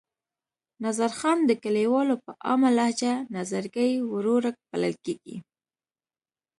نظرخان د کلیوالو په عامه لهجه نظرګي ورورک بلل کېږي.